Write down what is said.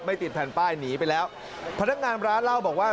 ติดแผ่นป้ายหนีไปแล้วพนักงานร้านเล่าบอกว่า